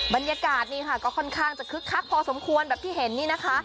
บรรยากาศนี่ค่ะก็ค่อนข้างจะคึกคักพอสมควรแบบที่เห็นนี่นะคะ